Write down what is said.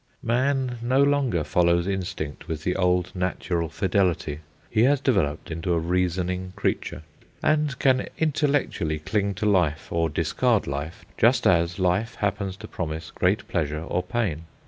Man no longer follows instinct with the old natural fidelity. He has developed into a reasoning creature, and can intellectually cling to life or discard life just as life happens to promise great pleasure or pain.